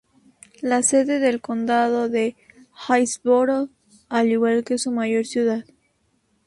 La sede del condado es Hillsboro, al igual que su mayor ciudad.